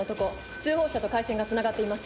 通報者と回線がつながっています。